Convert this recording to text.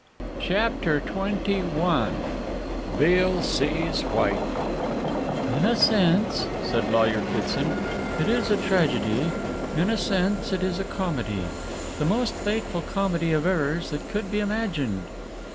CHAPTER XXI BEALE SEES WHITE "In a sense," said Lawyer Kitson, "it is a tragedy. In a sense it is a comedy. The most fatal comedy of errors that could be imagined."